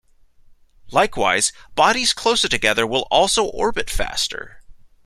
Likewise, bodies closer together will also orbit faster.